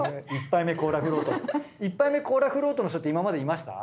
１杯目コーラフロートの人って今までいました？